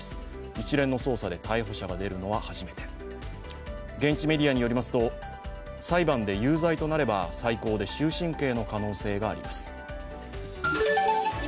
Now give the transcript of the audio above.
一連の捜査で逮捕者が出るのは初めて、現地メディアによりますと、裁判で有罪となれば最高で終身刑の可能性があります。